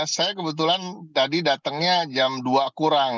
saya kebetulan tadi datangnya jam dua kurang